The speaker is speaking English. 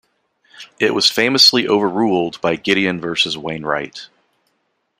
It was famously overruled by "Gideon versus Wainwright".